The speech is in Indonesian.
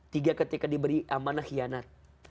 tiga ketika diberi amanah hianat